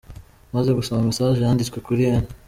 Maze gusoma Message yanditswe kuli N.